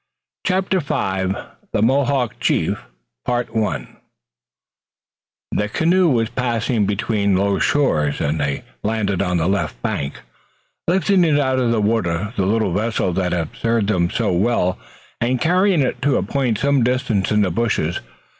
CHAPTER V THE MOHAWK CHIEF The canoe was passing between low shores, and they landed on the left bank, lifting out of the water the little vessel that had served them so well, and carrying it to a point some distance in the bushes.